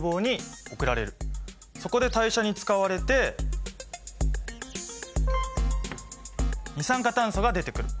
そこで代謝に使われて二酸化炭素が出てくる。